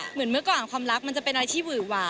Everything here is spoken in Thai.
เหมือนเมื่อก่อนความรักมันจะเป็นอะไรที่หวือหวา